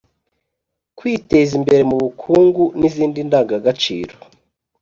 kwiteza imbere mu bukungu n’izindi ndangagaciro.